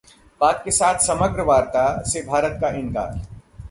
पाक के साथ समग्र वार्ता से भारत का इनकार